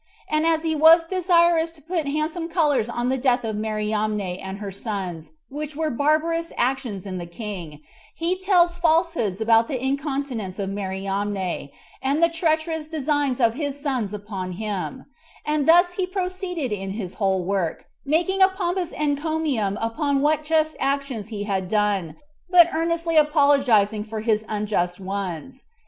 And as he was desirous to put handsome colors on the death of Mariamne and her sons, which were barbarous actions in the king, he tells falsehoods about the incontinence of Mariamne, and the treacherous designs of his sons upon him; and thus he proceeded in his whole work, making a pompous encomium upon what just actions he had done, but earnestly apologizing for his unjust ones.